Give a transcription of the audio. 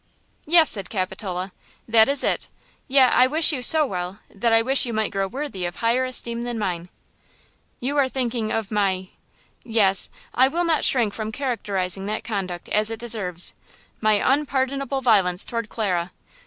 "Yes," said Capitola; "that is it; yet I wish you so well that I wish you might grow worthy of higher esteem than mine." "You are thinking of my–yes, I will not shrink from characterizing that conduct as it deserves–my unpardonable violence toward Clara.